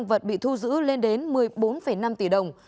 vật bị thu giữ lên đến một mươi bốn năm tỷ đồng